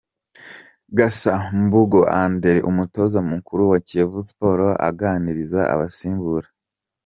Cassa Mbungo Andre umutoza mukuru wa Kiyovu Sport aganiriza abasimbura.